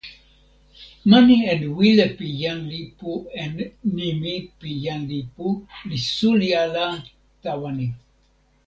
mani en wile pi jan lipu en nimi pi jan lipu li suli ala tawa ni.